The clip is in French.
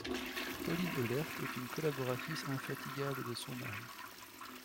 Pauline Œhlert est une collaboratrice infatigable de son mari.